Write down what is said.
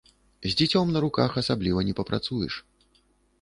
З дзіцём на руках асабліва не папрацуеш.